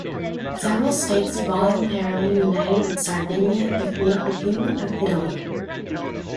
Several states voluntarily united with Sardinia to create the Kingdom of Italy.